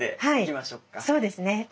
はいそうですね。